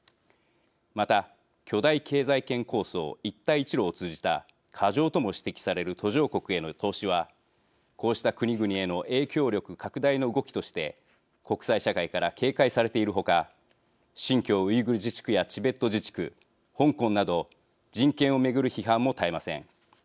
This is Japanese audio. また、巨大経済圏構想一帯一路を通じた過剰とも指摘される途上国への投資はこうした国々への影響力拡大の動きとして国際社会から警戒されている他新疆ウイグル自治区やチベット自治区、香港など人権を巡る批判も絶えません。